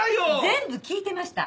全部聞いてました。